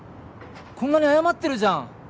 こんなに謝ってるじゃん